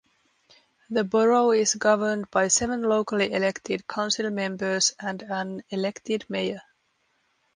The borough is governed by seven locally elected Council Members and an elected mayor.